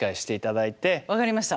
分かりました。